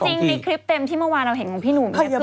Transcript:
จริงในคลิปเต็มที่เมื่อวานเราเห็นของพี่หนุ่ม